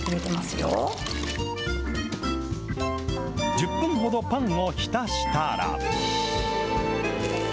１０分ほどパンを浸したら。